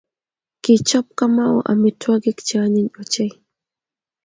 Kichob Kamau amitwokik che anyiny ochei.